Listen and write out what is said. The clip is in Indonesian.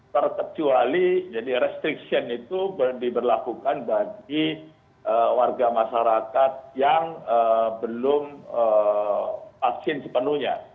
terkecuali jadi restriction itu diberlakukan bagi warga masyarakat yang belum vaksin sepenuhnya